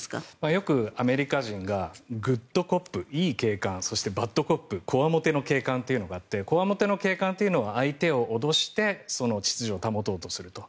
よくアメリカ人がグッドコップ、いい警官そしてバッドコップこわもての警官というのがあってこわもての警官というのは相手を脅して秩序を保とうとすると。